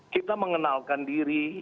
kita mengenalkan diri